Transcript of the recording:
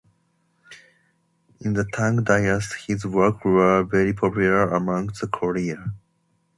In the Tang Dynast, his works were very popular among the Korean.